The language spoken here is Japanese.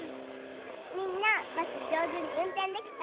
みんなバスじょうずにうんてんできた？